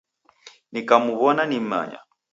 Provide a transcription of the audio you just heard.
Nikamuw'ona nim'manya